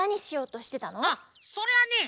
あっそれはね